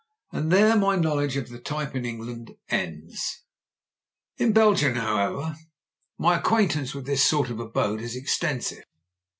And there my knowledge of the type in England ends. 131 122 MEN, WOMEN AND GUNS In Belgium, however, my acquaintance with this sort of abode is extensive.